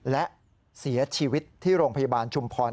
และเสียชีวิตที่โรงพยาบาลชุมพร